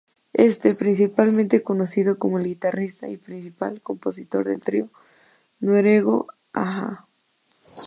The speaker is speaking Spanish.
Éste es principalmente conocido como el guitarrista y principal compositor del trío noruego a-ha.